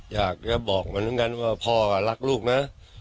อยากจะบอกมันเหมือนกันว่าพ่อก็รักลูกนะ